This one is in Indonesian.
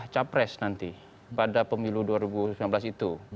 capres nanti pada pemilu dua ribu sembilan belas itu